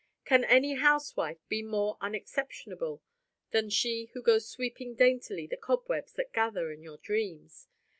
Can any housewife be more unexceptionable than she who goes sweeping daintily the cobwebs that gather in your dreams?